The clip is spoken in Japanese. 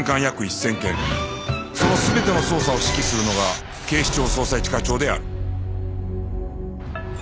その全ての捜査を指揮するのが警視庁捜査一課長である